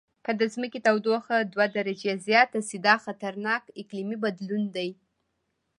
که د ځمکې تودوخه دوه درجې زیاته شي، دا خطرناک اقلیمي بدلون دی.